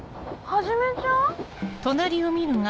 はじめちゃん？